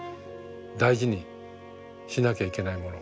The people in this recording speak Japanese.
大事にしなきゃいけないもの。